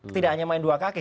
tidak hanya main dua kaki